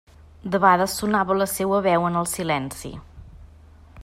Debades sonava la seua veu en el silenci.